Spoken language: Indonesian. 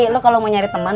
lo kalo mau nyari temen